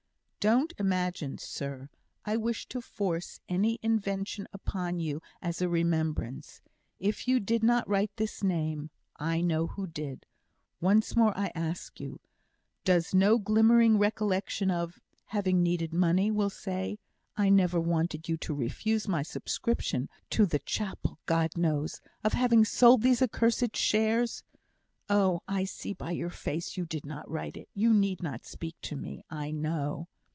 "Don't imagine, sir, I wish to force any invention upon you as a remembrance. If you did not write this name, I know who did. Once more I ask you, does no glimmering recollection of having needed money, we'll say I never wanted you to refuse my subscription to the chapel, God knows! of having sold these accursed shares? Oh! I see by your face you did not write it; you need not speak to me I know."